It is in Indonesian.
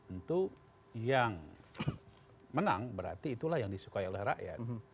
untuk yang menang berarti itulah yang disukai oleh rakyat